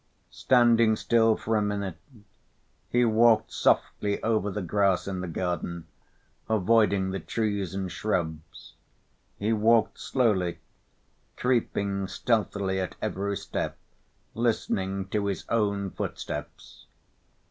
Standing still for a minute, he walked softly over the grass in the garden, avoiding the trees and shrubs. He walked slowly, creeping stealthily at every step, listening to his own footsteps.